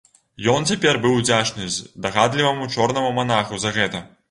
Ён цяпер быў удзячны здагадліваму чорнаму манаху за гэта.